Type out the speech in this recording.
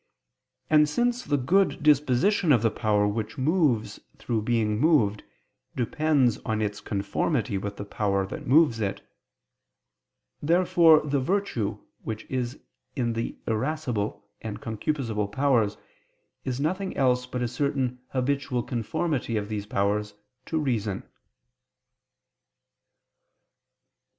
And since the good disposition of the power which moves through being moved, depends on its conformity with the power that moves it: therefore the virtue which is in the irascible and concupiscible powers is nothing else but a certain habitual conformity of these powers to reason.